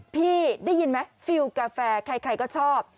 พี่ได้ยินไหมฟิลกาแฟใครก็ชอบ